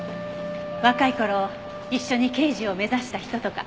若い頃一緒に刑事を目指した人とか。